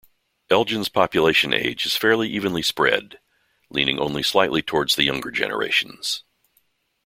Elgin's population age is fairly evenly spread, leaning only slightly toward the younger generations.